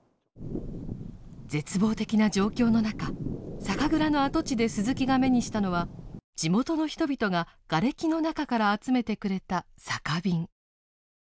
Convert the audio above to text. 絶望的な状況の中酒蔵の跡地で鈴木が目にしたのは地元の人々ががれきの中から集めてくれた酒瓶。